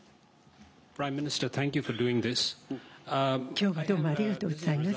きょうはどうもありがとうございます。